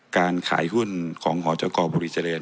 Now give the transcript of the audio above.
การขายหุ้นของหจกบุรีเจริญ